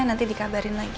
nanti dikabarin lagi